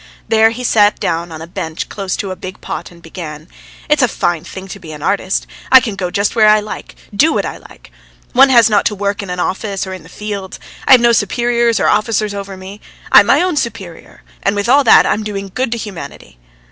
There he sat down on a bench close to a big pot and began: "It's a fine thing to be an artist! I can go just where I like, do what I like. One has not to work in an office or in the fields. I've no superiors or officers over me. ... I'm my own superior. And with all that I'm doing good to humanity!"